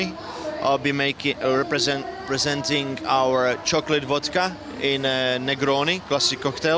saya akan mempresentasikan coklat vodka di negroni klasik cocktail